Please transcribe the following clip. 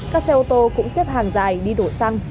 các xe ô tô cũng xếp hàng dài đi đổ xăng